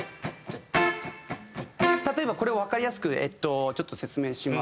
例えばこれをわかりやすくちょっと説明しますとですね。